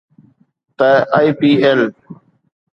ته IPL